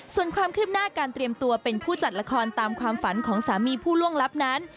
ส่วนความคืบหน้าการเตรียมตัวเป็นผู้จัดละครตามความฝันของสามีผู้ล่วงลับนั้น